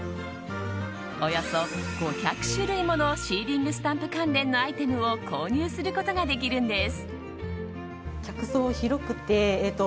およそ５００種類ものシーリングスタンプ関連のアイテムを購入することができるんです。